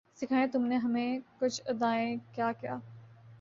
سکھائیں تم نے ہمیں کج ادائیاں کیا کیا